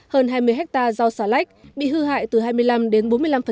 ba mươi hectare rau xà lách bị hư hại từ hai mươi năm đến bốn mươi năm